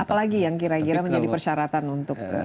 apalagi yang kira kira menjadi persyaratan untuk